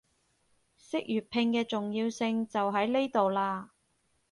識粵拼嘅重要性就喺呢度喇